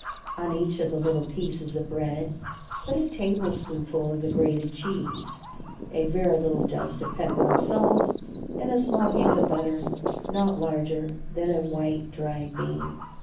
On each of the little pieces of bread put a tablespoonful of the grated cheese, a very little dust of pepper and salt and a small piece of butter not larger than a white dried bean.